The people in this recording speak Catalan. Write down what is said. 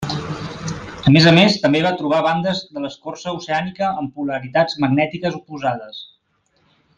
A més a més també va trobar bandes de l'escorça oceànica amb polaritats magnètiques oposades.